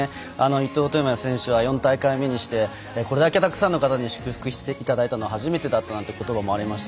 伊藤智也選手は４大会目にしてこれだけたくさんの方に祝福していただいたのは初めてだったなんて言葉もありました。